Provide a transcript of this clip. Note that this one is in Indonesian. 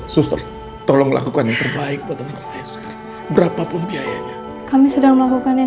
suster tolong lakukan yang terbaik buat anak saya suster berapa pun biayanya